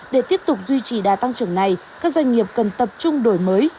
để tiếp tục duy trì đa tăng trưởng này các doanh nghiệp cần tập trung đổi mới